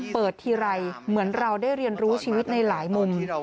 เปิดทีไรเหมือนเราได้เรียนรู้ชีวิตในหลายมุม